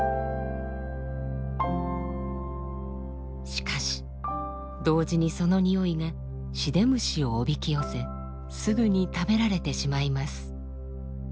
しかし同時にそのにおいがシデムシをおびき寄せすぐに食べられてしまいます。